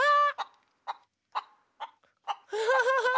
フフフフ！